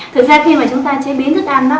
thực ra khi mà chúng ta chế biến thức ăn nó